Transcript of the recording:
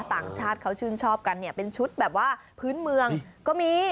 ต่างชาติเขาชื่นชอบกันเนี่ยเป็นชุดแบบว่าพื้นเมืองก็มี